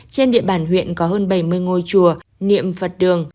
trên địa bàn huyện có hơn bảy mươi ngôi chùa niệm phật đường